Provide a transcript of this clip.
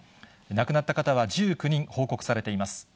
亡くなった方は１９人報告されています。